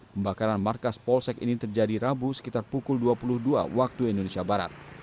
pembakaran markas polsek ini terjadi rabu sekitar pukul dua puluh dua waktu indonesia barat